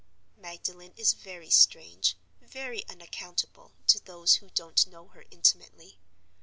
Magdalen is very strange, very unaccountable, to those who don't know her intimately.